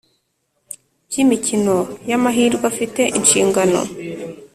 By imikino y amahirwe afite inshingano